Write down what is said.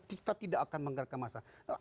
kita tidak akan menggerakkan masa